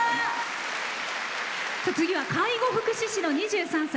次は介護福祉士の２３歳。